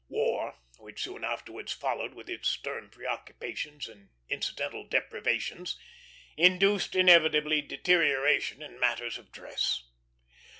'" War, which soon afterwards followed with its stern preoccupations and incidental deprivations, induced inevitably deterioration in matters of dress.